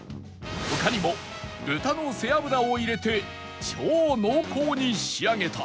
他にも豚の背脂を入れて超濃厚に仕上げた